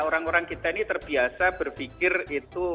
orang orang kita ini terbiasa berpikir itu